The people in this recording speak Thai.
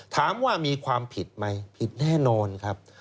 ถามว่ามีความผิดไหมผิดแน่นอนครับ